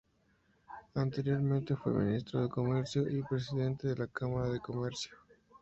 Anteriormente fue ministro de Comercio y presidente de la Cámara de Comercio.